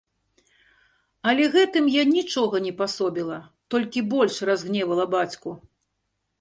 Але гэтым я нічога не пасобіла, толькі больш разгневала бацьку.